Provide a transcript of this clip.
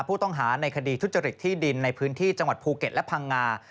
ผู้ต้องหาในคดีทุจริตที่ดินในพื้นที่จังหวัดภูเก็ตและพังงา